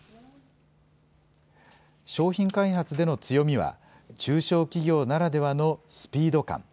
商品開発での強みは、中小企業ならではのスピード感。